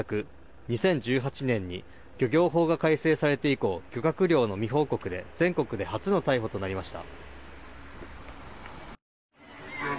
２０１８年に漁業法が改正されて以降漁獲量の未報告で全国で初の逮捕となりました。